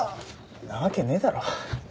なわけねえだろ。